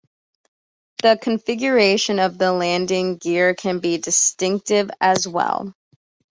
The configuration of the landing gear can be distinctive, as well.